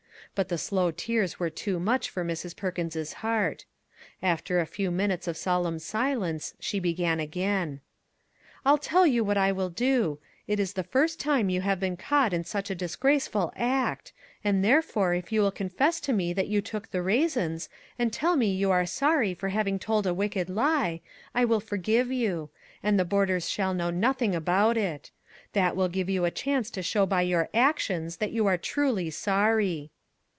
But the slow tears were too much for Mrs. Perkins's heart. After a few minutes of solemn silence she began again: " I'll tell you what I will do; it is the first time you have been caught in such a disgrace ful act, and, therefore, if you will confess to me that you took the raisins, and tell me you are sorry for having told a wicked lie, I will forgive you ; and the boarders shall know noth ing about it. That will give you a chance to show by your actions that you are truly sorry."